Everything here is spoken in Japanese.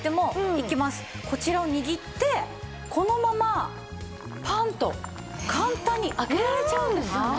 こちらを握ってこのままパンッと簡単に開けられちゃうんですよね。